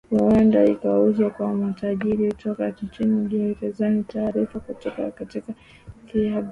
huenda ikauzwa kwa matajiri toka nchini uingereza taarifa toka katika klabu hiyo